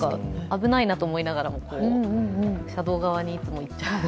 危ないなと思いながらも車道側にいつも行っちゃう。